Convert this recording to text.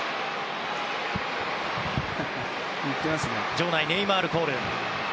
場内、ネイマールコール。